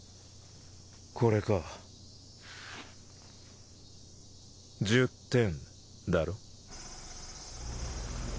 これか１０点だろ？